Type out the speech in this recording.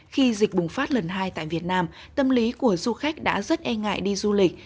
khi dịch bùng phát lần hai tại việt nam tâm lý của du khách đã rất e ngại đi du lịch